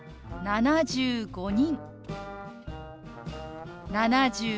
「７５人」。